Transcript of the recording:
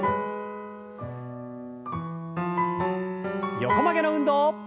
横曲げの運動。